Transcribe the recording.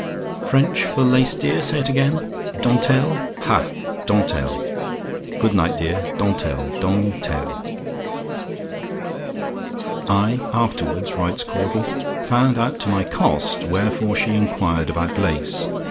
French for lace, dear? Say it again. "DENTELLE? "Ha! Dentelle! Good night, dear. Dentelle! Den telle." "I afterwards," writes Caudle, "found out to my cost wherefore she inquired about lace.